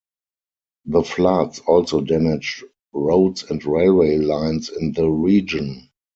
The floods also damaged roads and railway lines in the region.